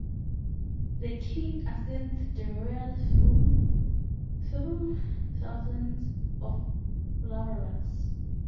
The king ascends the royal throne through thousands of flower rugs.